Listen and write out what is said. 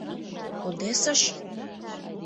— Одессыш?!